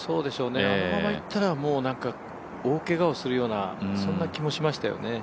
あのままいったら、大けがをするような、そんな気もしましたよね。